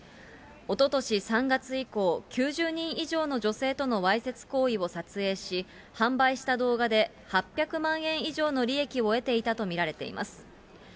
おととし３月以降、９０人以上の女性とのわいせつ行為を撮影し、販売した動画で８００万円以上の利益を得ていたと見られています。